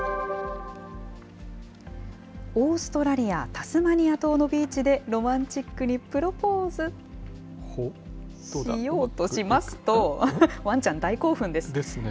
オーストラリア・タスマニア島のビーチで、ロマンチックにプロポーズ、しようとしますと、わんちゃん大興奮です。